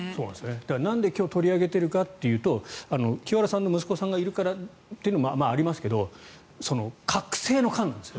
なんで今日、取り上げているかというと清原さんの息子さんがいるからというのもありますが隔世の感なんです。